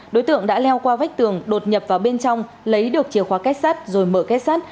đối tượng đã leo qua vách tường đột nhập vào bên trong lấy được chìa khóa kết sắt rồi mở kết sắt